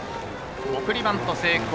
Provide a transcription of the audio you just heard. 送りバント成功。